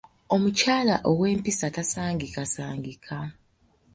Omukyala ow'empisa tasangikasangika.